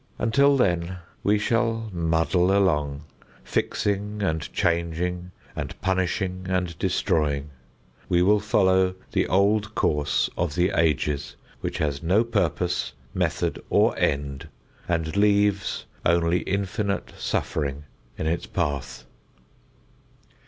Until then, we shall muddle along, fixing and changing and punishing and destroying; we will follow the old course of the ages, which has no purpose, method or end, and leaves only infinite suffering in its path.